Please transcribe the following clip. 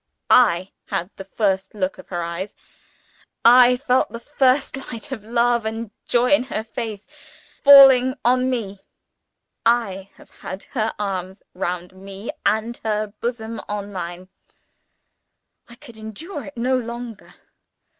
I had the first look of her eyes! I felt the first light of love and joy in her face falling on me! I have had her arms round me, and her bosom on mine " I could endure it no longer.